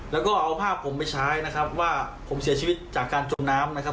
แล้วก็เอาภาพผมไปใช้นะครับว่าผมเสียชีวิตจากการจมน้ำนะครับ